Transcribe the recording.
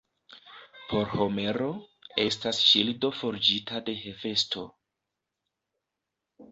Por Homero, estas ŝildo forĝita de Hefesto.